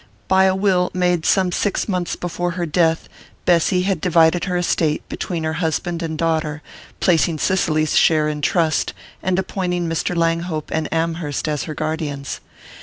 By a will made some six months before her death, Bessy had divided her estate between her husband and daughter, placing Cicely's share in trust, and appointing Mr. Langhope and Amherst as her guardians.